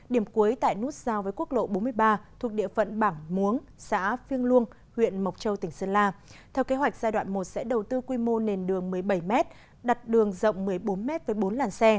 điểm cuối tại nút giao với quốc lộ bốn mươi ba thuộc địa phận bảng muống xã phiêng luông huyện mộc châu tỉnh sơn la